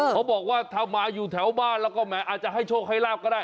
เขาบอกว่าถ้ามาอยู่แถวบ้านแล้วก็แหมอาจจะให้โชคให้ลาบก็ได้